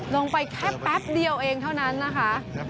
ลงไปแค่แป๊บเดียวเองเท่านั้นนะคะ